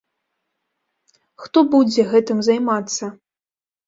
Хто будзе гэтым займацца?